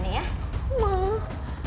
enggak usah lebay